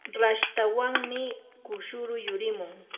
rashtawanmi kushuru yurimun.